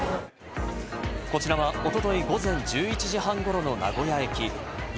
こちらはおととい午前１１時半ごろの名古屋駅。